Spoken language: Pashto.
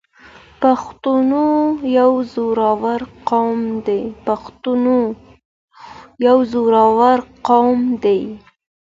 پښتون یو زړور قوم دی.